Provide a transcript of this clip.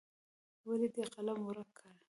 ولې دې قلم ورک کړ.